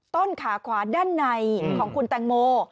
ต้นขาขวาด้านในของคุณแตงโม